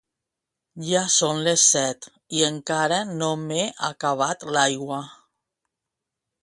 Ja són les set i encara no m'he acabat l'aigua